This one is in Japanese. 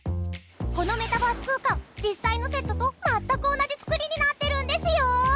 このメタバース空間実際のセットと全く同じ作りになってるんですよ！